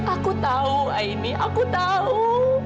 aku tahu ini aku tahu